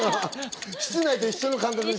室内と一緒の感覚で。